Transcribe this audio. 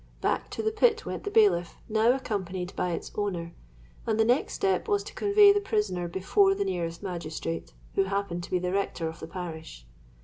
Back to the pit went the bailiff, now accompanied by its owner; and the next step was to convey the prisoner before the nearest magistrate, who happened to be the rector of the parish.